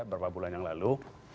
berapa bulan yang lalu